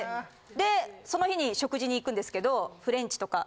でその日に食事に行くんですけどフレンチとか。